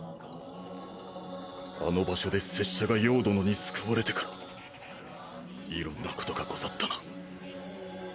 あの場所で拙者が葉殿に救われてからいろんなことがござったな